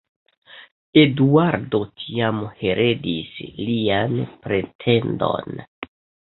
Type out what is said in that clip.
Eduardo tiam heredis lian pretendon.